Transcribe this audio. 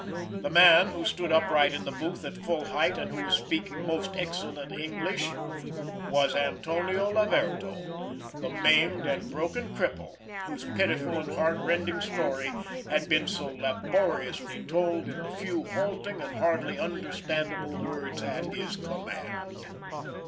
The man who stood upright in the booth at full height, and who was speaking most excellent English, was Antonio Laverto, the maimed and broken cripple whose pitiful and heart rending story had been so laboriously told in the few halting and hardly understandable words at his command!